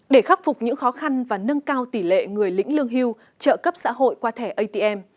để khắc phục những khó khăn và nâng cao tỷ lệ người lĩnh lương hưu trợ cấp xã hội qua thẻ atm